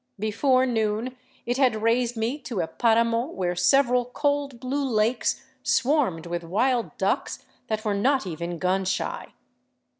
Before noon it had raised me to a paramo where several cold, blue lakes swarmed with wild ducks that were not even gun shy.